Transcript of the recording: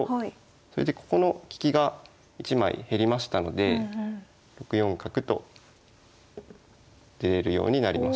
それでここの利きが１枚減りましたので６四角と出れるようになりました。